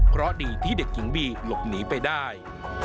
เพราะดีที่เด็กหญิงบีหลบหนีไปได้